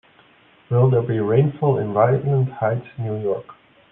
Will there be rainfall in Ryland Heights New York?